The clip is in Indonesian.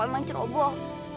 aku emang ceroboh